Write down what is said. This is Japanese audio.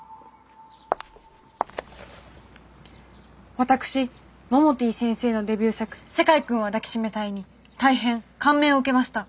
私モモティ先生のデビュー作「世界くんは抱きしめたい」に大変感銘を受けました。